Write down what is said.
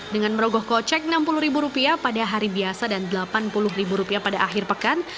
dengan merogoh kocek rp enam puluh pada hari biasa dan rp delapan puluh pada akhir pekan